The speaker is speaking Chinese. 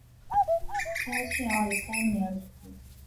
嘉庆二十三年卒。